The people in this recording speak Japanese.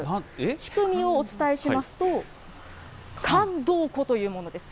仕組みをお伝えしますと、燗銅壺というものです。